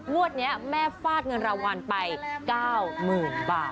งวดนี้แม่ฝากเงินรางวัลไป๙หมื่นบาท